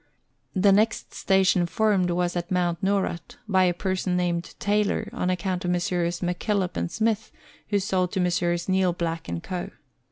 The next station formed was at Mount Noorat, by a person named Taylor, on account of Messrs. McKillop and Smith, who sold to Messrs. Niel Black and Co.